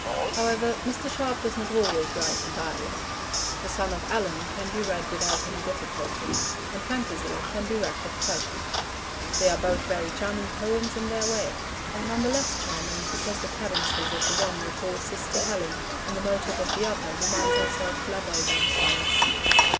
However, Mr. Sharp does not always write in dialect. The Son of Allan can be read without any difficulty, and Phantasy can be read with pleasure. They are both very charming poems in their way, and none the less charming because the cadences of the one recall Sister Helen, and the motive of the other reminds us of La Belle Dame sans Merci.